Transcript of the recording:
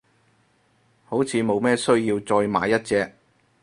好似冇咩需要再買一隻，